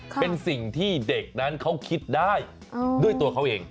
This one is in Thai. เป็นสิ่งที่เด็กนั้นเขาคิดได้ด้วยตัวเขาเอง